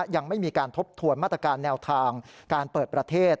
ยังไม่มีการทบทวนมาตรการแนวทางการเปิดประเทศ